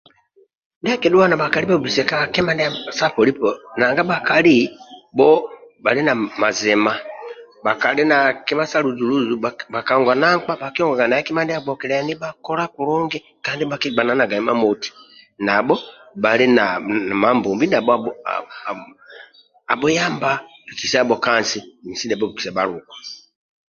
Ndia kidhuwaga na bhakali bha bhubhisa ka kima sa polipo nanga bhakali bho bhali na mazima bhakali na kima sya luzuluzu bhakahonga na mkpa bhakiyongaga kima ndya bgokilyani bha kola kulungi kandi bhakibgananaga imamoti nabho bhali na amambombi abhuyamba bhikisabho kansi nesi abhubhikisa bhaluku